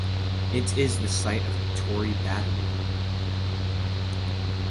It is the site of Torry Battery.